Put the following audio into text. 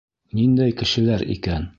Ниндәй кешеләр икән?